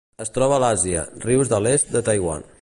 Es troba a Àsia: rius de l'est de Taiwan.